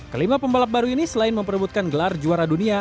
kelima pembalap baru ini selain memperebutkan gelar juara dunia